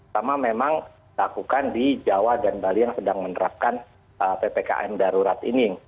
sama memang dilakukan di jawa dan bali yang sedang menerapkan ppkm darurat ini